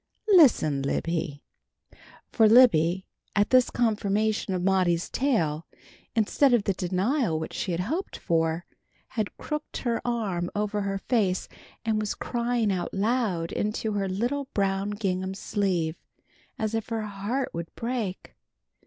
Listen, Libby!" For Libby, at this confirmation of Maudie's tale, instead of the denial which she hoped for, had crooked her arm over her face, and was crying out loud into her little brown gingham sleeve, as if her heart would break.